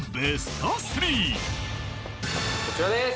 こちらです。